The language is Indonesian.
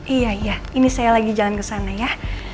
iya iya ini saya lagi jalan kesana ya